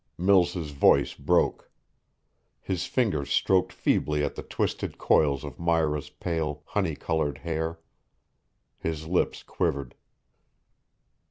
Mills' voice broke. His fingers stroked feebly at the twisted coils of Myra's pale, honey colored hair. His lips quivered.